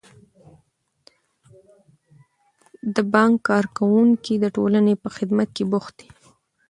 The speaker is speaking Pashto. د بانک کارکوونکي د ټولنې په خدمت کې بوخت دي.